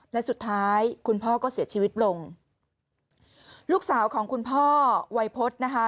และสุดท้ายคุณพ่อก็เสียชีวิตลงลูกสาวของคุณพ่อวัยพฤษนะคะ